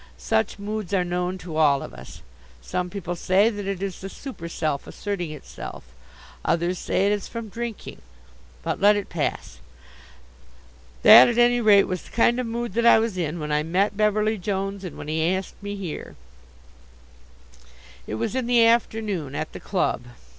Such moods are known to all of us. Some people say that it is the super self asserting itself. Others say it is from drinking. But let it pass. That at any rate was the kind of mood that I was in when I met Beverly Jones and when he asked me here. It was in the afternoon, at the club.